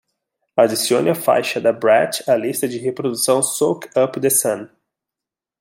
Adicione a faixa da brat à lista de reprodução Soak Up The Sun.